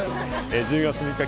１０月６日